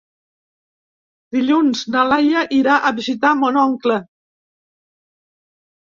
Dilluns na Laia irà a visitar mon oncle.